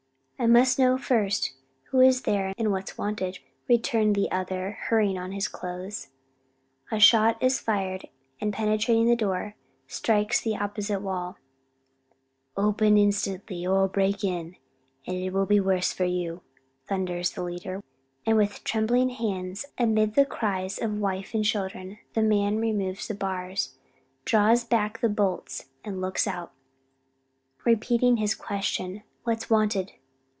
"I must know first who is there and what's wanted," returns the other, hurrying on his clothes. A shot is fired, and penetrating the door, strikes the opposite wall. "Open instantly, or we'll break in, and it'll be the worse for you," thunders the leader; and with trembling hands, amid the cries of wife and children, the man removes the bars, draws back the bolts, and looks out, repeating his question, "What's wanted?"